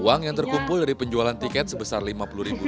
uang yang terkumpul dari penjualan tiket sebesar rp lima puluh